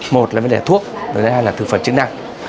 một là vấn đề thuốc đối với hai là thực phẩm chức năng